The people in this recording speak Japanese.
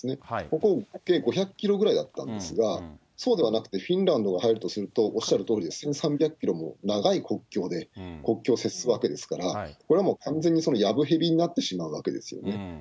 ここ、計５００キロぐらいだったんですが、そうではなくてフィンランドが入るとすると、おっしゃるとおり、１３００キロの長い国境で、国境を接するわけですから、これはもう完全にやぶへびになってしまうわけですよね。